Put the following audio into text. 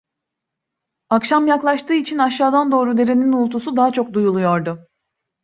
Akşam yaklaştığı için aşağıdan doğru derenin uğultusu daha çok duyuluyordu.